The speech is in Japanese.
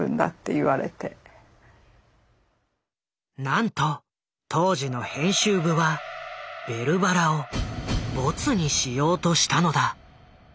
なんと当時の編集部は「ベルばら」をボツにしようとしたのだ。